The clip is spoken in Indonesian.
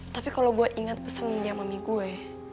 tapi kalo gue inget pesennya mami gue